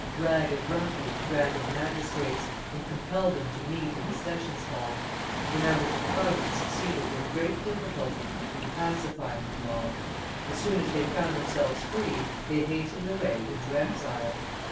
Ragged ruffians ran to the magistrates, and compelled them to meet in the sessions hall. The members of Parliament succeeded with great difficulty in pacifying the mob. As soon as they found themselves free, they hastened away into exile.